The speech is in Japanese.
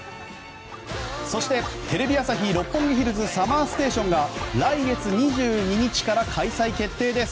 そしてテレビ朝日・六本木ヒルズＳＵＭＭＥＲＳＴＡＴＩＯＮが来月２２日から開催決定！